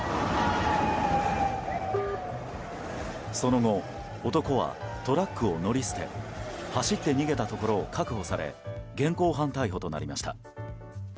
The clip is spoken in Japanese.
その後、男はトラックを乗り捨て走って逃げたところを確保され現行犯逮捕となりました。